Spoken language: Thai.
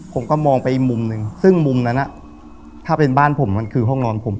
ผมก็มองไปอีกมุมหนึ่งซึ่งมุมนั้นถ้าเป็นบ้านผมมันคือห้องนอนผม